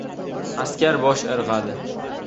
Askar bosh irg‘adi: